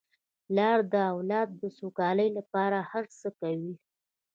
پلار د اولاد د سوکالۍ لپاره هر څه کوي.